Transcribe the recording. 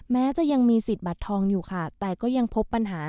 แม้จะยังมีสิทธิ์บัตรทองอยู่ค่ะแต่ก็ยังพบปัญหา